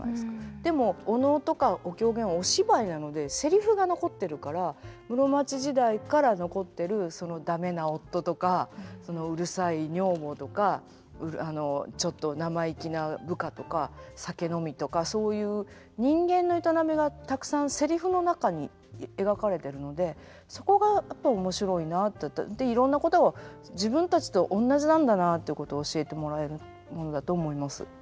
でもお能とかお狂言お芝居なのでセリフが残ってるから室町時代から残ってるその駄目な夫とかうるさい女房とかちょっと生意気な部下とか酒飲みとかそういう人間の営みがたくさんせリフの中に描かれてるのでそこがやっぱり面白いなって。でいろんなことを自分たちとおんなじなんだなっていうことを教えてもらえるものだと思います。